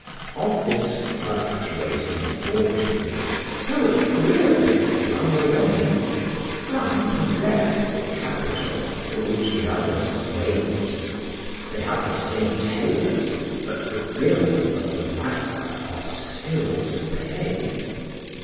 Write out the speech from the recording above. Of this fluctuating fortune, so agreeably flung away, some possess the capital for which the others wait; they have the same tailors, but the bills of the latter are still to pay.